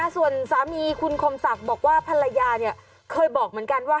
ส่วนสามีคุณคมศักดิ์บอกว่าภรรยาเคยบอกเหมือนกันว่า